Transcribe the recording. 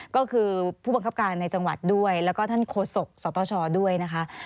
ก็คือผู้บังคับการในจังหวัดด้วยแล้วก็ท่านโฆษกสตชด้วยนะคะ